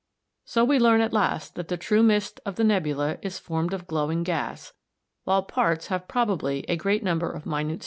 So we learn at last that the true mist of the nebula is formed of glowing gas, while parts have probably a great number of minute stars in them.